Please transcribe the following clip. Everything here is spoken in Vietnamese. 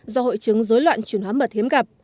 do hội chứng dối loạn chuyển hóa mật hiếm gặp